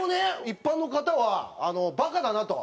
一般の方はバカだなと。